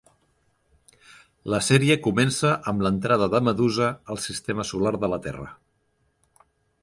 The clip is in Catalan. La sèrie comença amb l'entrada de Medusa al sistema solar de la Terra.